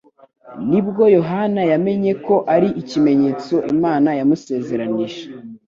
ni bwo Yohana yamenye ko ari ikimenyetso Imana yamusezeranije..